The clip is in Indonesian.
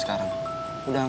tutaj semuanya kayaknya